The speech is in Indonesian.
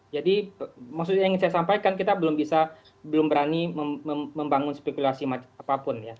jadi maksudnya yang saya sampaikan kita belum bisa belum berani membangun spekulasi apapun ya